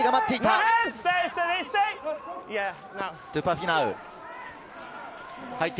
トゥパ・フィナウ。